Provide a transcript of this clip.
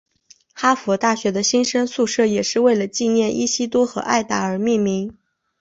哈佛大学的新生宿舍也是为了纪念伊西多和艾达而命名。